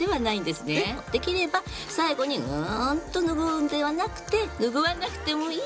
できれば最後にんとぬぐうんではなくてぬぐわなくてもいい